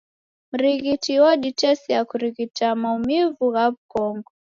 Mrighiti woditesia kurighita maumivu gha mkongo.